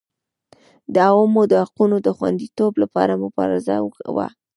د عوامو د حقوقو د خوندیتوب لپاره مبارزه وه.